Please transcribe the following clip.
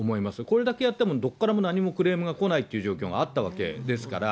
これだけやってもどこからも何もクレームが来ないというあったわけですから。